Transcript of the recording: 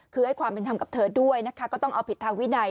คือให้ความเป็นธรรมกับเธอด้วยนะคะก็ต้องเอาผิดทางวินัย